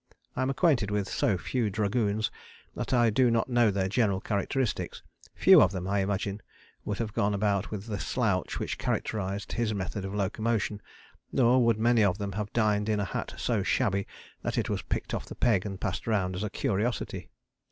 I am acquainted with so few dragoons that I do not know their general characteristics. Few of them, I imagine, would have gone about with the slouch which characterized his method of locomotion, nor would many of them have dined in a hat so shabby that it was picked off the peg and passed round as a curiosity.